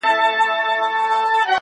بيا يوازيتوب دی بيا هغه راغلې نه ده,